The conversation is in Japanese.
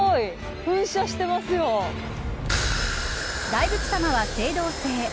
大仏様は青銅製。